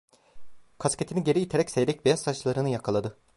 Kasketini geri iterek seyrek beyaz saçlarını yakaladı.